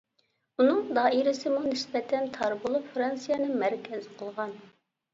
ئۇنىڭ دائىرىسىمۇ نىسبەتەن تار بولۇپ، فىرانسىيەنى مەركەز قىلغان.